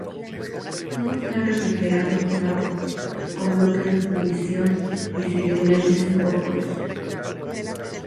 Todos eran refrigerados por agua, con bloque de fundición y cigüeñal de cinco apoyos.